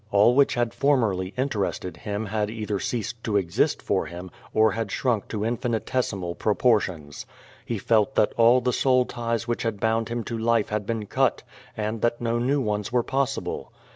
All which had formerly interested him had either ceased to exist for him or had shrunk to infinitesimal pro portions. He felt that all the soul ties which had bound him to life had been cut, and that no new ones were possible.